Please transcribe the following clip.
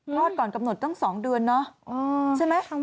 คลอดก่อนกำหนดตั้ง๒เดือนใช่ไหม